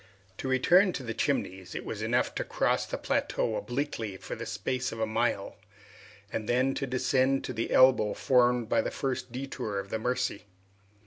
To return to the Chimneys, it was enough to cross the plateau obliquely for the space of a mile, and then to descend to the elbow formed by the first detour of the Mercy.